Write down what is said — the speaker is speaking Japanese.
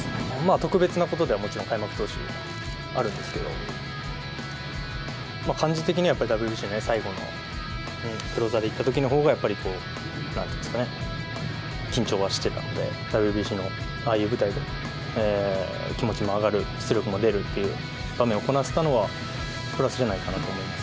特別なことでは、開幕投手であるんですけど、感じ的にはＷＢＣの最後のクローザーで行ったときのほうが、やっぱりこう、なんていうんですかね、緊張はしてたので、ＷＢＣのああいう舞台で、気持ちも上がる、出力も出るっていう場面をこなせたのは、プラスじゃないかなと思います。